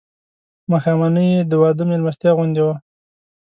ماښامنۍ یې د واده مېلمستیا غوندې وه.